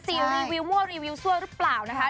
รีวิวมั่วรีวิวซั่วหรือเปล่านะคะ